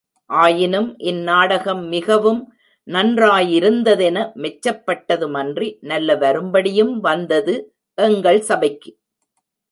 ஆயினும் இந் நாடகம் மிகவும் நன்றாயிருந்ததென மெச்சப்பட்டதுமன்றி, நல்ல வரும்படியும் வந்தது எங்கள் சபைக்கு.